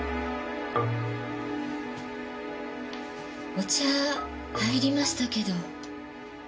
お茶入りましたけど。